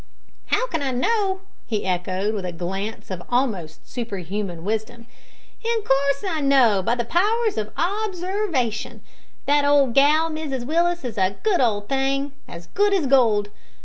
"How can I know?" he echoed, with a glance of almost superhuman wisdom. "In coorse I know by the powers of obserwation. That old gal, Mrs Willis, is a good old thing as good as gold.